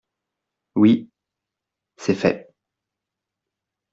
Oui, c’est fait.